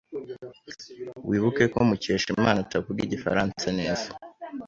Wibuke ko Mukeshimana atavuga Igifaransa neza.